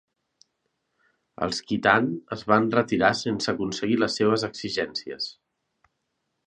Els Khitan es van retirar sense aconseguir les seves exigències.